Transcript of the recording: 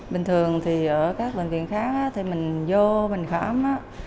bình thường thì ở các bệnh viện khác thì mình vô mình khám